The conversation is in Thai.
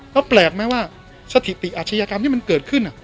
แล้วแปลกไหมว่าสถิติอาชญากรรมที่มันเกิดขึ้น